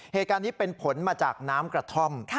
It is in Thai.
เหตุการณ์นี้เป็นผลมาจากน้ำกระท่อม